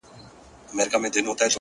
مسافر ليونى ـ